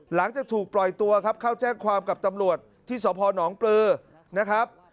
หลังจากถูกปล่อยตัวครับเข้าแจ้งความกับตำรวจที่สพนปลือนะครับ